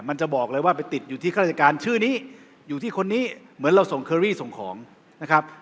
มันจะบอกเลยว่าไปติดอยู่ที่ข้าราชการชื่อนี้อยู่ที่คนนี้เหมือนเราส่งเคอรี่ส่งของนะครับ